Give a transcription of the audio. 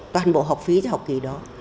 toàn bộ học phí cho học kỳ đó